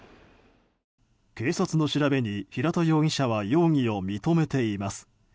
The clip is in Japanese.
警察の調べに、平田容疑者は容疑を認めています。